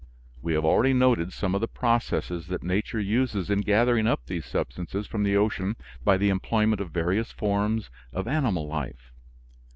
We have already noted some of the processes that nature uses in gathering up these substances from the ocean by the employment of various forms of animal life.